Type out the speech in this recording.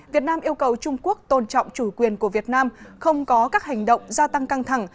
việt nam yêu cầu trung quốc tôn trọng chủ quyền của việt nam không có các hành động gia tăng căng thẳng